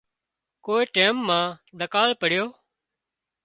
ڪوئي ٽيم مان ۮڪاۯ پڙيو